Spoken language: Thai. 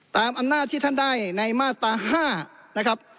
ตามอำนาจที่ท่านได้ในมาตรา๕นะครับ